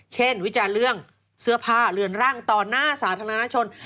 วิจารณ์เรื่องเสื้อผ้าเรือนร่างต่อหน้าสาธารณชน